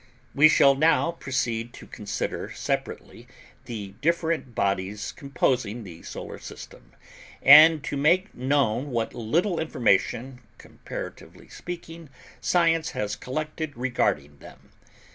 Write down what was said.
We shall now proceed to consider, separately, the different bodies composing the Solar System, and to make known what little information, comparatively speaking, science has collected regarding them.